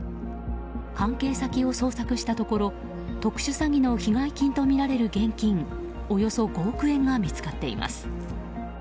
関係先を捜索したところ特殊詐欺の被害金とみられる現金およそ５億円が見つかっています。